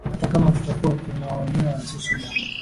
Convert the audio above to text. hata kama tutakuwa tunaonewa usuda